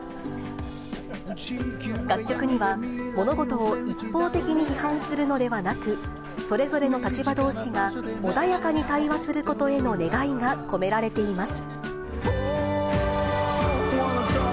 楽曲には物事を一方的に批判するのではなく、それぞれの立場どうしが穏やかに対話することへの願いが込められています。